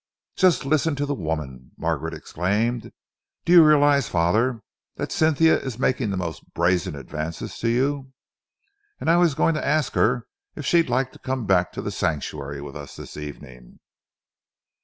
"Just listen to the woman!" Margaret exclaimed. "Do you realise, father, that Cynthia is making the most brazen advances to you? And I was going to ask her if she'd like to come back to The Sanctuary with us this evening!"